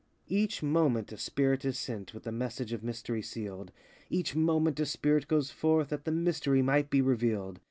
Each moment a spirit is sent With a message of mystery sealed; Each moment a spirit goes forth That the mystery might be revealed.